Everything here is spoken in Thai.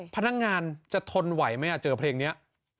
พนักงานจะทนไหวไหมเจอเพลงนี้